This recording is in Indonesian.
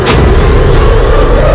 dan menghentikan raiber